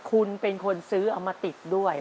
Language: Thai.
คุณเป็นคนซื้อเอามาติดด้วย